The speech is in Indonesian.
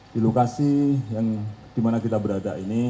di lokasi yang dimana kita berada ini